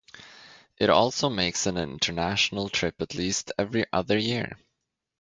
It also makes an international trip at least every other year.